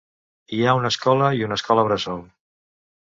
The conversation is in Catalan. Hi ha una escola i una escola bressol.